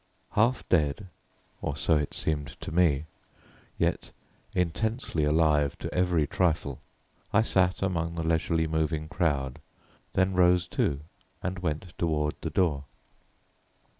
Half dead, or so it seemed to me, yet intensely alive to every trifle, I sat among the leisurely moving crowd, then rose too and went toward the door.